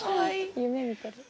夢見てる。